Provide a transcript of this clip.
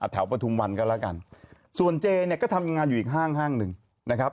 ประทุมวันก็แล้วกันส่วนเจเนี่ยก็ทำงานอยู่อีกห้างห้างหนึ่งนะครับ